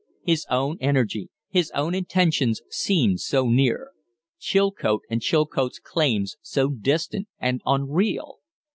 His own energy, his own intentions, seemed so near; Chilcote and Chilcote's claims so distant and unreal.